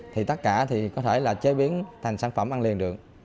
thì tất cả có thể chế biến thành sản phẩm ăn liền được